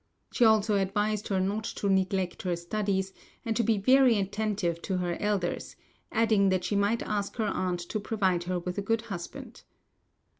She also advised her not to neglect her studies, and to be very attentive to her elders, adding that she might ask her aunt to provide her with a good husband.